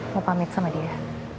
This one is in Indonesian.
mau pamit sama dia